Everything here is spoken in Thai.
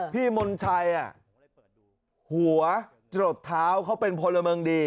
พี่มนชัยอ่ะหัวจรดเท้าเขาเป็นผลเมิงดี